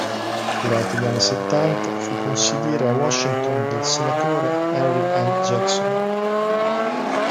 Durante gli anni settanta fu consigliere a Washington del senatore Henry M. Jackson.